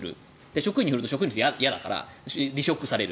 職員に振るうと職員は嫌だから離職される。